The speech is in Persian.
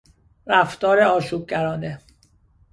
رفتار آشوبگرانه